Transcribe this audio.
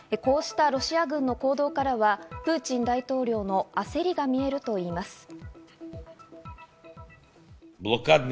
こうしたロシア軍の行動からはプーチン大統領の焦りが見えるといいます。